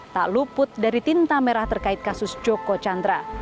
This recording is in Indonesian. tak luput dari tinta merah terkait kasus joko chandra